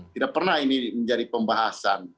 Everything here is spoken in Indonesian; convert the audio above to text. tidak pernah ini menjadi pembahasan